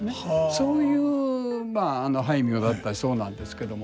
そういう俳名だったそうなんですけども。